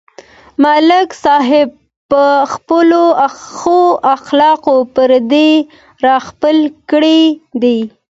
ملک صاحب په ښو اخلاقو پردي راخپل کړي دي.